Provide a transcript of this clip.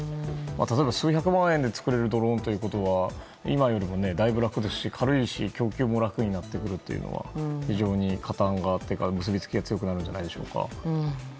例えば数百万円で作れるドローンということは今よりもだいぶ楽ですし、軽いし供給も楽になるのは非常に加担というか結びつきが強くなるんじゃないんでしょうか。